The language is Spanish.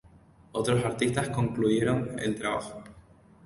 Otros artistas concluyeron el trabajo.